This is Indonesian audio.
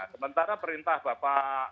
sementara perintah bapak